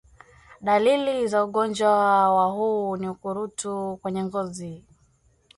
Dalili za ugonjwa wa huu ni ukurutu kwenye ngozi